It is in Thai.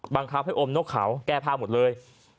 บังคับให้อมนกเขาแก้ผ้าหมดเลย